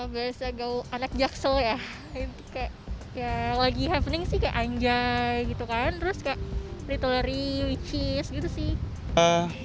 biasanya gauh anak jakso ya lagi happening sih kayak anjay gitu kan terus kayak ritualary witchies gitu sih